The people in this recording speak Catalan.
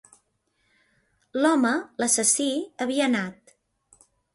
L'home-l'assassí-havia anat.